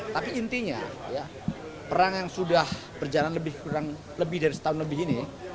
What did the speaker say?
tapi intinya ya perang yang sudah berjalan lebih dari setahun lebih ini